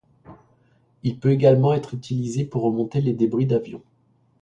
Il peut également être utilisé pour remonter les débris d'avions.